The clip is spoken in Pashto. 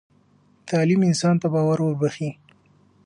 تعلیم انسان ته باور وربخښي.